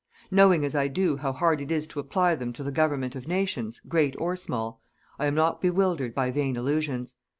Knowing, as I do, how hard it is to apply them to the government of nations great or small I am not bewildered by vain illusions.